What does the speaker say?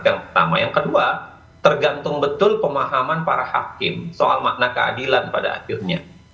yang pertama yang kedua tergantung betul pemahaman para hakim soal makna keadilan pada akhirnya